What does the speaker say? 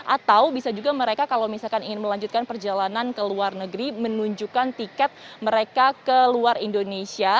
atau bisa juga mereka kalau misalkan ingin melanjutkan perjalanan ke luar negeri menunjukkan tiket mereka ke luar indonesia